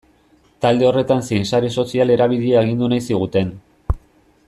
Talde horretan zein sare sozial erabili agindu nahi ziguten.